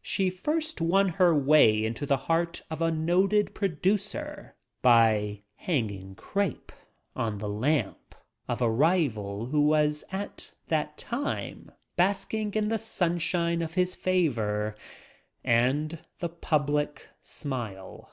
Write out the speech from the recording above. She first won her way into the heart of a noted producer by "hanging crepe" on the "lamp" of a rival who was at that time basking in the sunshine of his favor and the public smile.